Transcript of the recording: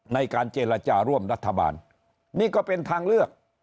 ในการเจรจาร่วมรัฐบาลนี่ก็เป็นทางเลือก